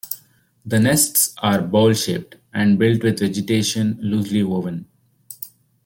The nests are bowl-shaped and built with vegetation loosely woven.